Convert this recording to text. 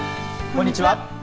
こんにちは。